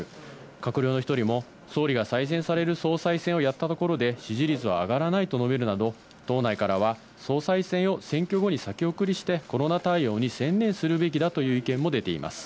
閣僚の１人も総理が再選される総裁選をやったところで支持率が上がらないと述べるなど、党内からは総裁選を選挙後に先送りして、コロナ対応に専念するべきだという意見も出ています。